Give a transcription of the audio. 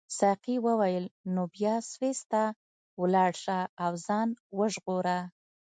ساقي وویل نو بیا سویس ته ولاړ شه او ځان وژغوره.